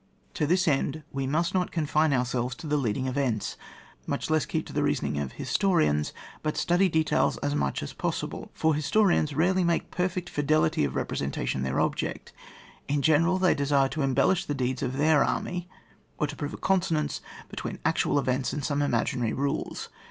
To this end we must not confine our selves to the leading events, much less keep to the reasoning of historians, but study details as much as is possible. For historians rarely make perl'ect fide lity of representation their object : in general, they desire to embellish the deeds of their army, or to prove a con sonance between actual events and some imaginary rules.